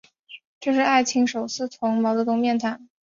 这是艾青首次同毛泽东面谈。